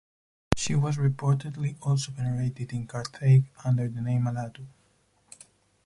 She was reportedly also venerated in Carthage under the name Allatu.